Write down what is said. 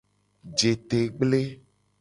Jete gble.